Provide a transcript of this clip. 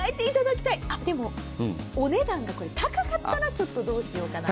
でもお値段が高かったらどうしようかなと。